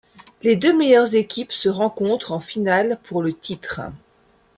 Les deux meilleures équipes se rencontrent en finale pour le titre.